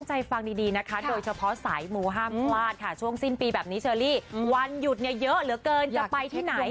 ใจฟังดีนะคะโดยเฉพาะสายหมู่ห้ามพลาดค่ะช่วงสิ้นปีแบบนี้เชอรี่วันหยุดเนี่ยเยอะเหลือเกินจะไปที่ไหน